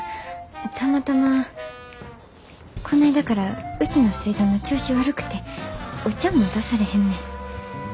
たまたまこないだからうちの水道の調子悪くてお茶も出されへんねん。